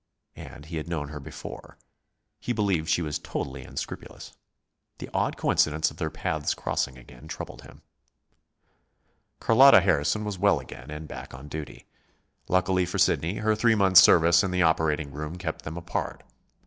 And he had known her before. He believed she was totally unscrupulous. The odd coincidence of their paths crossing again troubled him. Carlotta Harrison was well again, and back on duty. Luckily for Sidney, her three months' service in the operating room kept them apart.